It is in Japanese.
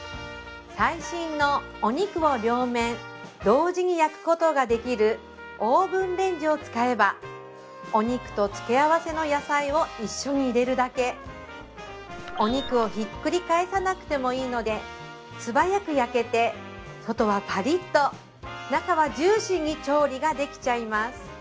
最新のお肉を両面同時に焼くことができるオーブンレンジを使えばお肉と付け合わせの野菜を一緒に入れるだけお肉をひっくり返さなくてもいいので素早く焼けて外はパリッと中はジューシーに調理ができちゃいます